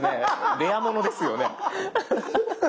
レアものですよね。